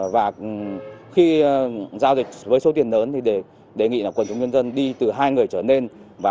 và khi giao dịch với số tiền lớn thì đề nghị là quần chúng nhân dân đi từ hai người trở lên